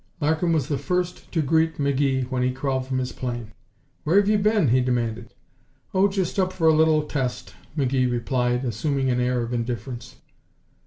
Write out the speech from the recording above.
Larkin was the first to greet McGee when he crawled from his plane. "Where've you been?" he demanded. "Oh, just up for a little test," McGee replied, assuming an air of indifference.